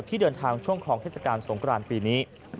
ที่เดินทางช่วงคลองเทศกาลสงครานปีนี้